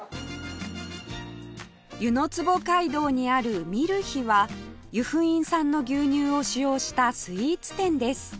湯の坪街道にあるミルヒは由布院産の牛乳を使用したスイーツ店です